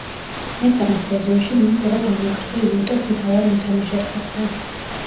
მესამე სეზონში მან კვლავ განაგრძო იუტას მთავარ მოთამაშედ ყოფნა.